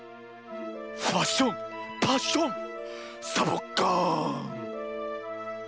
ファッションパッションサボッカーン！